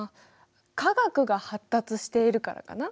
科学が発達しているからかな？